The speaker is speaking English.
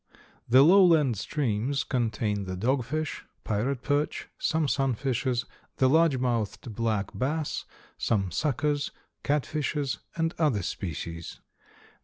The lowland streams contain the dogfish, pirate perch, some sunfishes, the large mouthed black bass, some suckers, catfishes and other species.